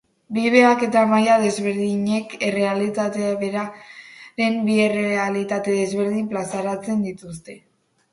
Bi behaketa-maila desberdinek errealitate beraren bi errealitate desberdin plazaratzen dituzte.